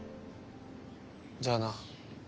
じゃあな。